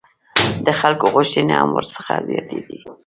د خلکو غوښتنې هم ورڅخه زیاتې دي.